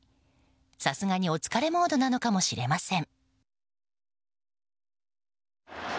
さすがにお疲れモードなのかもしれません。